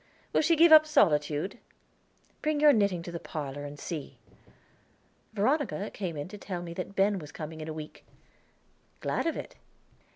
"Will she give up solitude?" "Bring your knitting to the parlor and see." Veronica came in to tell me that Ben was coming in a week. "Glad of it."